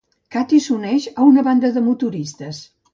Cathy s'uneix a una banda de motoristes.